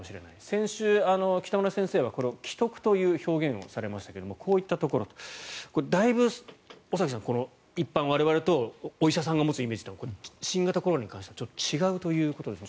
先週、北村先生はこれを危篤という表現をされましたけどこれ、だいぶ尾崎さん一般、我々とお医者さんが持つイメージは新型コロナに関しては違うということですね。